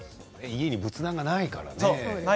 家に仏壇がないからね。